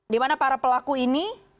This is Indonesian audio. dimana para pelaku ini